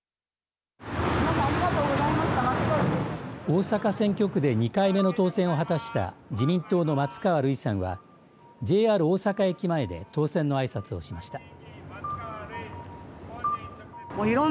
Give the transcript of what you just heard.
大阪選挙区で２回目の当選を果たした自民党の松川るいさんはＪＲ大阪駅前で当選のあいさつをしました。